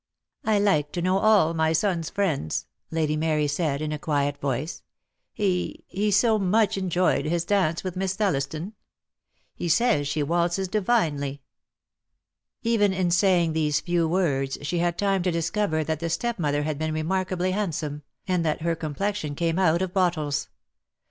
"I like to know all my son's friends," Lady Mary said, in a quiet voice. "He — he so much en joyed his dance with Miss Thelhston. He says she waltzes divinely." Even in saying these few words she had time to discover that the stepmother had been remark ably handsome, and that her complexion came out of bottles.